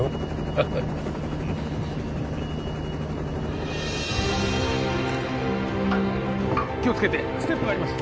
ハッハッハウッフッフ気をつけてステップがあります